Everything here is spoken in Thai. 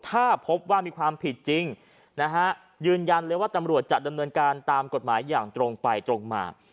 ถ้าพบว่ามีความผิดจริงนะฮะยืนยันเลยว่าตำรวจจะดำเนินการตามกฎหมายอย่างตรงไปตรงมา